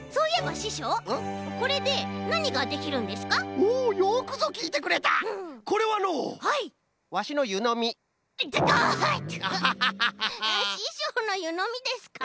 ししょうのゆのみですか？